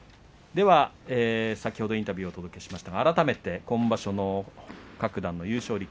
先ほどインタビューをお届けしましたが改めて今場所の各段の優勝